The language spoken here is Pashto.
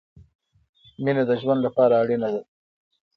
مينه د ژوند له پاره اړينه ده